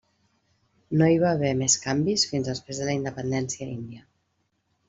No hi va haver més canvis fins després de la independència índia.